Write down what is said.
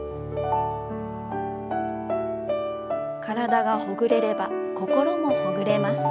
体がほぐれれば心もほぐれます。